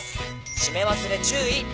「閉め忘れ注意っ」